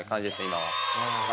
今は。